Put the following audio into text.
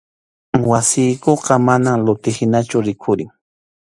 Wasiykuqa manam luti hinachu rikhurin.